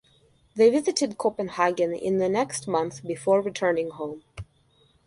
They visited Copenhagen in the next month before returning home.